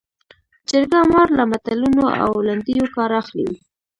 جرګه مار له متلونو او لنډیو کار اخلي